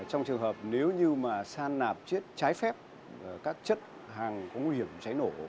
trong trường hợp nếu như mà san nạp chết trái phép các chất hàng nguy hiểm cháy nổ